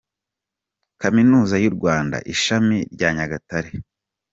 Kaminuza yu rwanda ishami rya nyagatare.